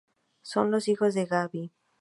Son los hijos de Gaby.